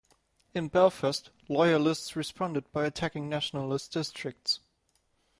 In Belfast, loyalists responded by attacking nationalist districts.